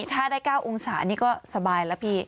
ถ้าได้๙องศานี่ก็สบายแล้วพี่